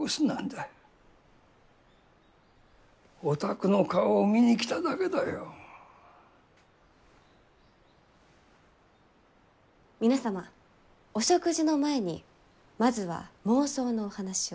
お宅の顔を見に来ただけだよ。皆様お食事の前にまずは妄想のお話を。